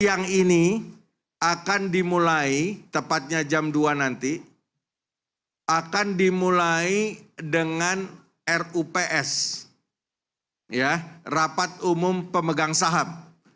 siang ini akan dimulai tepatnya jam dua nanti akan dimulai dengan rups rapat umum pemegang saham